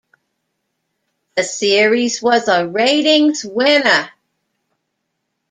The series was a ratings winner.